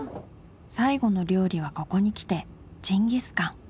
最後の料理はここにきてジンギスカン！